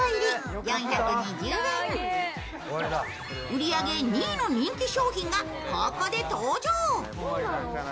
売り上げ２位の人気商品がここで登場。